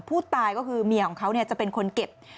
ผู้ตายก็คือเมียของเขาจะเป็นคนเก็บ